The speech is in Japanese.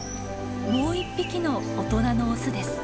もう１匹の大人のオスです。